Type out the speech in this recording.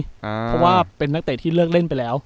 เพราะว่าเป็นนักเตะที่เลิกเล่นไปแล้ว